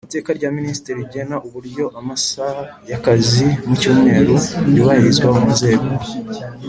Iteka rya Minisitiri rigena uburyo amasaha y akazi mu cyumweru yubahirizwa mu nzego